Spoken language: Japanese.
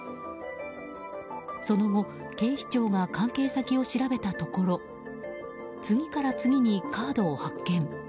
その後、警視庁が関係先を調べたところ次から次にカードを発見。